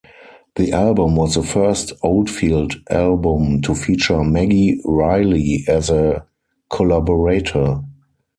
The album was the first Oldfield album to feature Maggie Reilly as a collaborator.